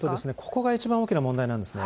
ここが一番大きな問題なんですね。